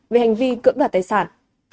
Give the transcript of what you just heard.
về hành vi cưỡng đoạt tài sản